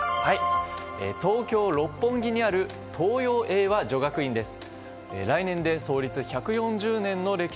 東京・六本木にある東洋英和女学院です。